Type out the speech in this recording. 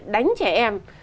đánh trẻ em